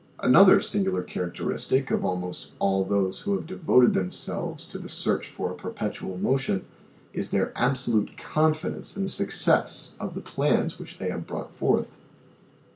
Another singular characteristic of almost all those who have devoted themselves to the search for a perpetual motion is their absolute confidence in the success of the plans which they have brought forth.